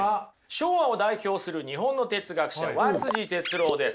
昭和を代表する日本の哲学者和哲郎です。